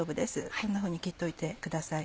こんなふうに切っといてください。